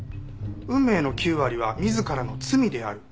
運命の９割は自らの罪である。